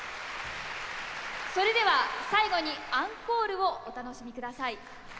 それでは最後にアンコールをお楽しみください。